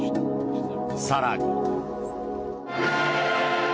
更に。